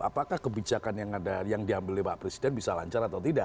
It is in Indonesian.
apakah kebijakan yang diambil oleh pak presiden bisa lancar atau tidak